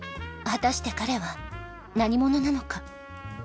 果たして彼は何者なのか？